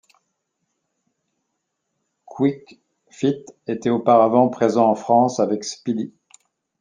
Kwik Fit était auparavant présent en France avec Speedy.